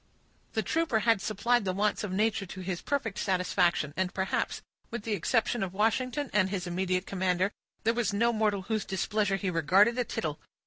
The trooper had supplied the wants of nature to his perfect satisfaction; and, perhaps, with the exception of Washington and his immediate commander, there was no mortal whose displeasure he regarded a tittle.